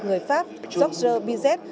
người pháp georges bizet